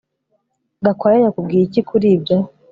Gakwaya yakubwiye iki kuri ibyo